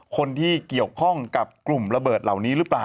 คนที่เกี่ยวข้องกับกลุ่มระเบิดเหล่านี้หรือเปล่า